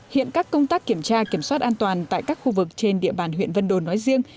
hiện các công tác kiểm tra kiểm soát an toàn tại các khu vực trên địa bàn huyện vân đồn nói riêng